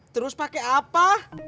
terus pakai apa